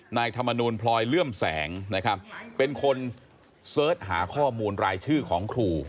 ธรรมนูลพลอยเลื่อมแสงนะครับเป็นคนเสิร์ชหาข้อมูลรายชื่อของครู